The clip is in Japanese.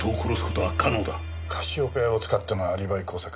カシオペアを使ってのアリバイ工作。